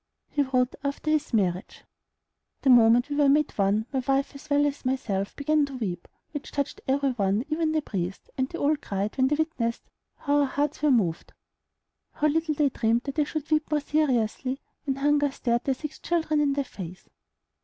He wrote after his marriage: "The moment we were made one, my wife as well as myself began to weep, which touched every one, even the priest, and they all cried when they witnessed how our hearts were moved." How little they dreamed that they should weep more seriously when hunger stared their six children in the face!